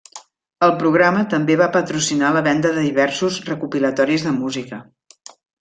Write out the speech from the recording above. El programa també va patrocinar la venda de diversos recopilatoris de música.